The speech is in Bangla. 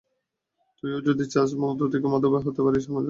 তুই ও যদি হতে চাস, মধু থেকে মধুবাই হতে পারিস, আমার জান।